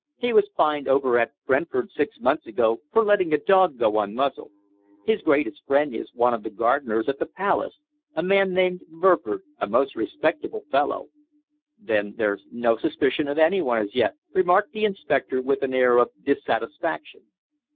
He was fined over at Brentford six months ago for letting a dog go unmuzzled. His greatest friend is one of the gardeners at the Palace a man named Burford, a most respectable fellow." "Then there's no suspicion of anyone as yet?" remarked the inspector, with an air of dissatisfaction.